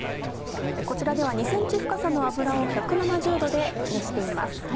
こちらでは２ｃｍ深さの油を１７０℃で熱しています。